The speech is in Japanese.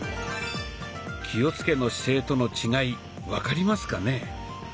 気をつけの姿勢との違い分かりますかね？